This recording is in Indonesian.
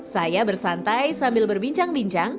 saya bersantai sambil berbincang bincang